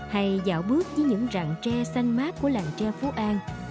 hay dạo bước với những rạng tre xanh mát của làng tre phố an